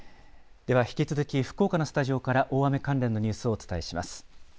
では引き続き福岡のスタジオから、大雨関連のニュースをお伝えします。